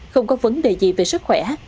không có vấn đề gì về sức khỏe